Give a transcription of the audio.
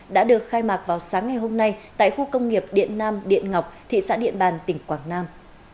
đã được khai mạc vào sáng ngày hôm nay tại khu công nghiệp điện nam điện ngọc thị xã điện bàn tỉnh quảng nam